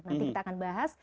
nanti kita akan bahas